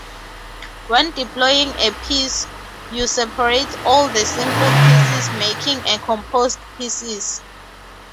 When deploying a piece, you separate all the simple pieces making a composed pieces.